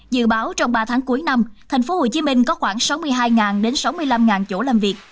dự báo trong ba tháng cuối năm tp hcm có khoảng sáu mươi hai đến sáu mươi năm chỗ làm việc